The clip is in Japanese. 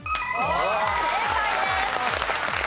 正解です。